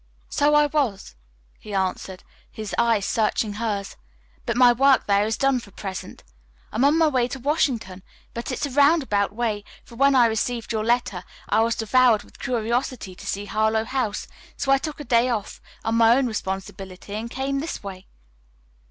"So I was," he answered, his eyes searching hers, "but my work there is done for the present. I am on my way to Washington, but it's a roundabout way, for, when I received your letter, I was devoured with curiosity to see Harlowe House, so I took a day off, on my own responsibility, and came this way."